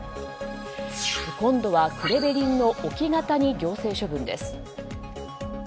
今度はクレベリンの置き型に行政処分です。